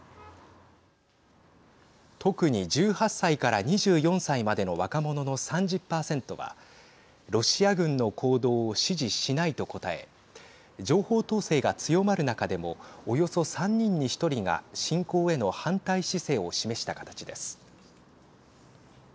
特に１８歳から２４歳までの若者の３０％はロシア軍の行動を支持しないと答え情報統制が強まる中でもおよそ３人に１人が侵攻への反対姿勢を示した形です。